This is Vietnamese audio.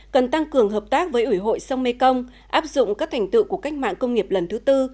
cần tăng cường hợp tác với ủy hội sông mekong áp dụng các thành tựu của cách mạng công nghiệp lần thứ tư